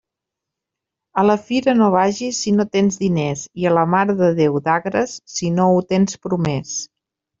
A la fira no vages si no tens diners, i a la Mare de Déu d'Agres si no ho tens promés.